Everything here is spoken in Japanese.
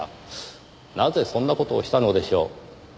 なぜそんな事をしたのでしょう？